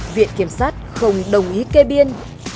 viện kiểm soát không đồng ý kê biên